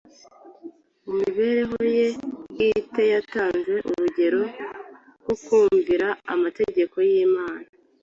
Mu mibereho ye bwite yatanze urugero rwo kumvira amategeko y’Imana.